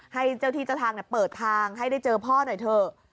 ให้เจ้าที่เจ้าทางเปิดทางให้ได้เจอพ่อหน่อยเถอะ